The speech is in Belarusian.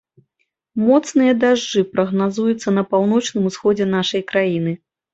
Моцныя дажджы прагназуюцца на паўночным усходзе нашай краіны.